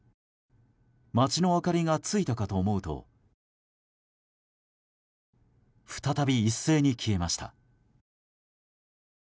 街の明かりがついたかと思うと再び一斉に消えました。